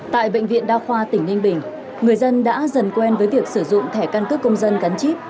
tại bệnh viện đa khoa tỉnh ninh bình người dân đã dần quen với việc sử dụng thẻ căn cước công dân gắn chip